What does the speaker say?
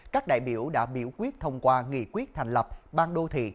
các đại biểu đã biểu quyết thông qua nghị quyết thành lập ban đô thị